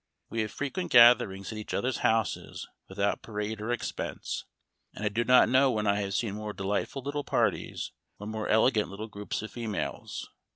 We have frequent gatherings at each other's houses without parade or expense, and I do not know when I have seen more delightful little parties, or more elegant little groups of females.